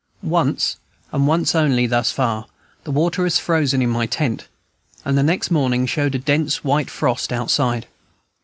Once, and once only, thus far, the water has frozen in my tent; and the next morning showed a dense white frost outside.